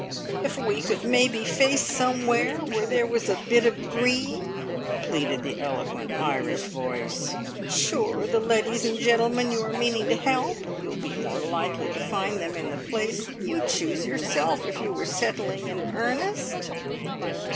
"If we could maybe face somewhere where there was a bit of green!" pleaded the eloquent Irish voice. "Sure the leddies and gentlemen you are meaning to help you'll be more likely to find them in the place you'd choose yourself, if you were settling in earnest?"